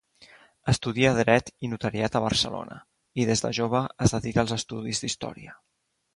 Estudia Dret i notariat a Barcelona, i des de jove es dedica als estudis d'història.